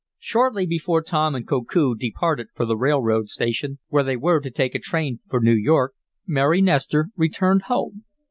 Shortly before Tom and Koku departed for the railroad station, where they were to take a train for New York, Mary Nestor returned home.